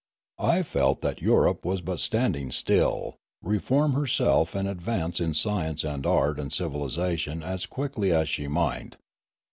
I felt that Europe was but standing still, reform herself and advance in science and art and civilisation as quickly as she might.